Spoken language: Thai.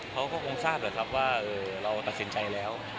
เขาก็คงทราบแหละครับว่าเราตัดสินใจแล้ว